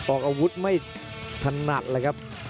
ออกอาวุธไม่ถนัดเลยครับ